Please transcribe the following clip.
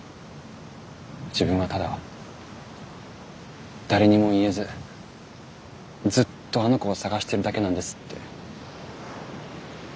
自分はただ誰にも言えずずっとあの子を捜しているだけなんです」って。